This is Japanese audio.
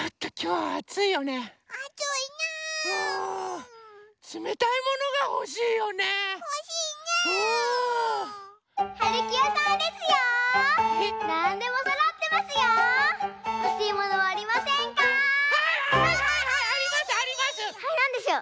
はいなんでしょう？